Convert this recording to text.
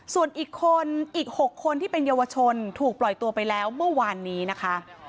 ส่วนอีกคนอีก๖คนที่เป็นเยาวชนถูกปล่อยตัวไปแล้วเมื่อวานนี้นะคะ